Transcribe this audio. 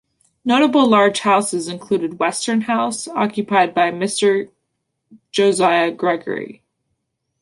Notable large houses included Western House, occupied by Mr Josiah Gregory.